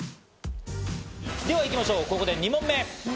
では行きましょう、ここで２問目。